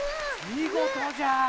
みごとじゃ！